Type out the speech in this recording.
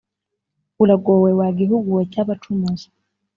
Uragowe! Wa gihugu we cy’abacumuzi,